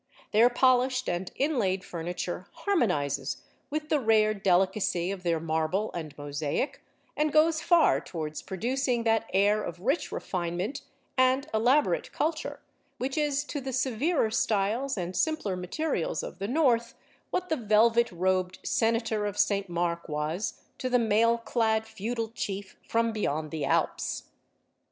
Their polished and inlaid furniture harmonises with the rare delicacy of their marble and mosaic, and goes far towards producing that air of rich refinement and elaborate culture which is to the severer styles and simpler materials of the North what the velvet robed Senator of St. Mark was to the mail clad feudal chief from beyond the Alps.